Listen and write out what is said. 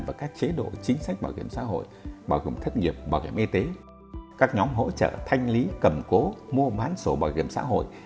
và các chế độ chính sách bảo hiểm xã hội bảo hiểm thất nghiệp bảo hiểm y tế các nhóm hỗ trợ thanh lý cầm cố mua bán sổ bảo hiểm xã hội